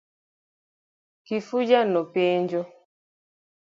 Kifuja no penjo.